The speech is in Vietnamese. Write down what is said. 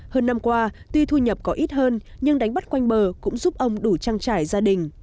hơn năm qua tuy thu nhập có ít hơn nhưng đánh bắt quanh bờ cũng giúp ông đủ trang trải gia đình